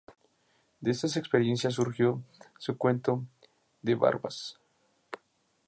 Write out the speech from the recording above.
De estas experiencias surgió su cuento "De barbas".